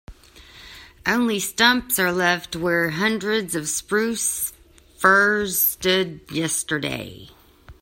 Only stumps are left where hundreds of spruce firs stood yesterday.